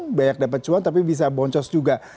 yang banyak dapat cuan tapi bisa boncos juga